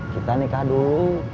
kita nikah dulu